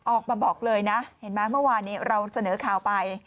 ออกมาบอกเลยนะเห็นไหมเมื่อวานนี้เราเสนอข่าวไป